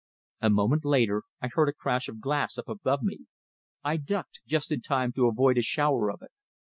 A moment later I heard a crash of glass up above me; I ducked, just in time to avoid a shower of it.